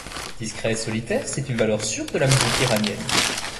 Discret et solitaire, c'est une valeur sûre de la musique iranienne.